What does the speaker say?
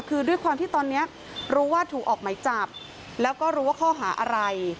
คือด้วยความที่ตอนนี้รู้ว่าถูกออกไหมจับแล้วก็รู้ว่าข้อหาอะไร